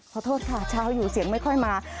ขอโทษค่ะเช้าอยู่เสียงไม่ค่อยมา